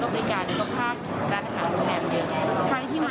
ก็แน่นอนนะคะว่าเกือบทุกประเทศที่เปิดประเทศก็อาจจะมีคนผิดเชื้อบ้าง